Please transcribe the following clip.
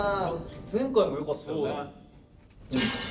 前回もよかったよね。